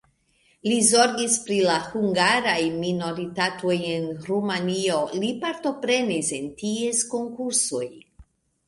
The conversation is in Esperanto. Li zorgis pri la hungaraj minoritatoj en Rumanio, li partoprenis en ties konkursoj.